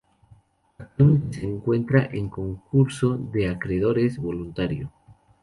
Actualmente se encuentra en concurso de acreedores voluntario.